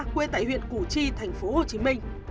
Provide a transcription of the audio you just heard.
quê tại huyện củ trì tp hcm